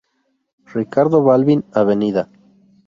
Ricardo Balbín; Av.